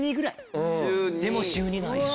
でも週２なんや。